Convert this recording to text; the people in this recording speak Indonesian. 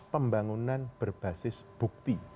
pembangunan berbasis bukti